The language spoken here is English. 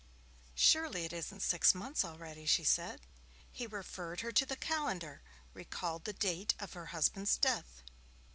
'Surely it isn't six months already,' she said. He referred her to the calendar, recalled the date of her husband's death.